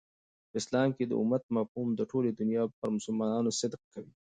په اسلام کښي د امت مفهوم د ټولي دنیا پر مسلمانانو صدق کوي.